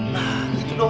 nah gitu dong